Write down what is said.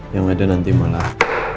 yang ada nanti malah